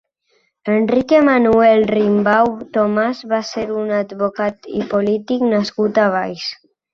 Enrique Manuel-Rimbau Tomás va ser un advocat i polític nascut a Valls.